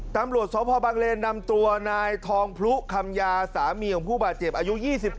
ตำรวจสพบังเลนนำตัวนายทองพลุคำยาสามีของผู้บาดเจ็บอายุ๒๔